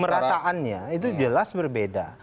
pemerataannya itu jelas berbeda